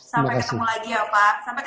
sampai ketemu lagi ya pak sampai